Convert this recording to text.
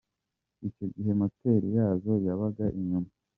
Icyo gihe moteri yazo yabaga inyuma.